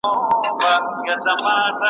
ویل څه سوې سپی د وخته دی راغلی `